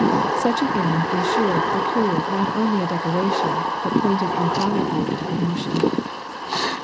Such an errand en.siired the courier not only a decoration, but pointed infallibly to promotion.